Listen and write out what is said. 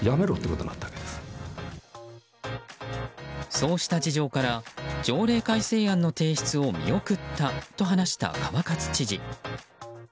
そうした事情から条例改正案の提出を見送ったと話した川勝知事。